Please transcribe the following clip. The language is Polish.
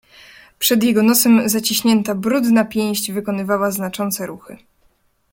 "Przed jego nosem zaciśnięta brudna pięść wykonywała znaczące ruchy."